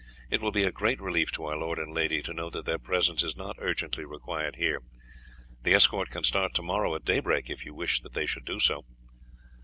It will be a great relief to our lord and lady to know that their presence is not urgently required here. The escort can start to morrow at daybreak if you wish that they should do so."